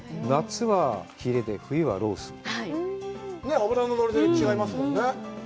脂の乗りが違いますもんね。